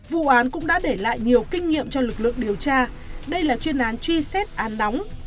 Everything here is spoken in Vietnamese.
vụ án cũng đã để lại nhiều kinh nghiệm cho lực lượng điều tra đây là chuyên án truy xét án nóng